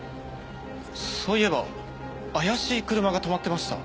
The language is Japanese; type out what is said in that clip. そういえば怪しい車が止まってました。